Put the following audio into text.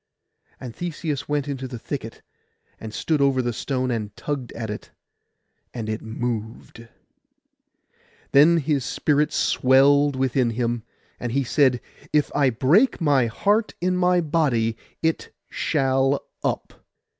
And Theseus went into the thicket, and stood over the stone, and tugged at it; and it moved. Then his spirit swelled within him, and he said, 'If I break my heart in my body, it shall up.